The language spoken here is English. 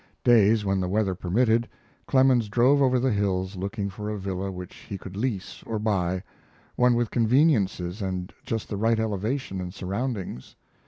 Days when the weather permitted, Clemens drove over the hills looking for a villa which he could lease or buy one with conveniences and just the right elevation and surroundings.